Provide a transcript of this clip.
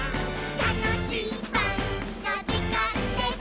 「たのしいパンのじかんです！」